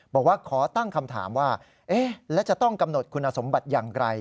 บอกว่าขอตั้งคำถามว่าแล้วจะต้องกำหนดคุณสมบัติอย่างไร